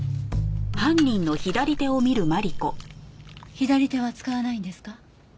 左手は使わないんですか？